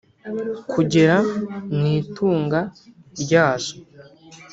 kugera mu itunga ryazo